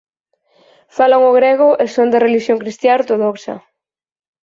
Falan o grego e son de relixión cristiá ortodoxa.